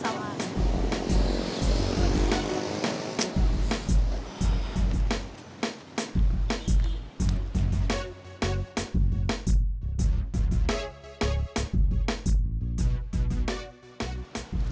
tidak ada yang lihat